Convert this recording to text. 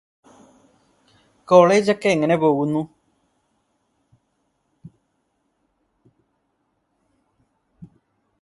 College ഒക്കെ എങ്ങനെ പോകുന്നു?